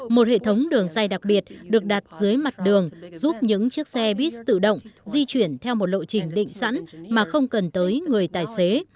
một hệ thống đường dây đặc biệt được đặt dưới mặt đường giúp những chiếc xe bus tự động di chuyển theo một lộ trình định sẵn mà không cần tới người tài xế